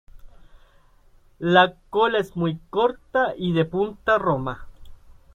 La cola es muy corta y de punta roma.